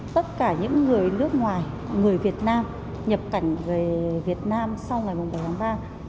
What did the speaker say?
tất cả những người nước ngoài người việt nam nhập cảnh về việt nam sau ngày bảy tháng ba